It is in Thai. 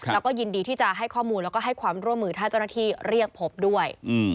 แล้วก็ยินดีที่จะให้ข้อมูลแล้วก็ให้ความร่วมมือถ้าเจ้าหน้าที่เรียกพบด้วย